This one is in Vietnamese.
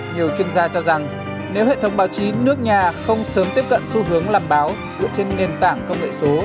nhiều chuyên gia cho rằng nếu hệ thống báo chí nước nhà không sớm tiếp cận xu hướng làm báo dựa trên nền tảng công nghệ số